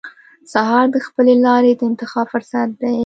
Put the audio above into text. سهار د خپلې لارې د انتخاب فرصت دی.